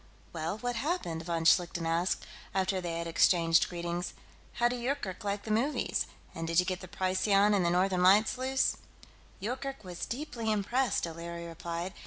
"Well, what happened?" von Schlichten asked, after they had exchanged greetings. "How did Yoorkerk like the movies? And did you get the Procyon and the Northern Lights loose?" "Yoorkerk was deeply impressed," O'Leary replied.